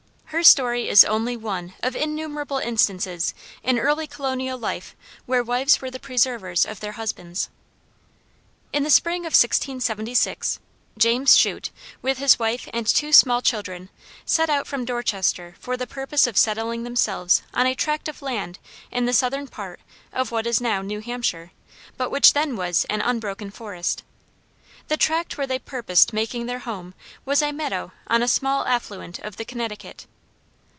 Her story is only one of innumerable instances in early colonial life where wives were the preservers of their husbands. In the spring of 1676, James Shute, with his wife and two small children, set out from Dorchester for the purpose of settling themselves on a tract of land in the southern part of what is now New Hampshire, but which then was an unbroken forest. The tract where they purposed making their home was a meadow on a small affluent of the Connecticut.